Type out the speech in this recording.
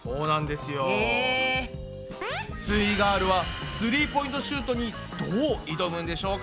すイガールはスリーポイントシュートにどう挑むんでしょうか？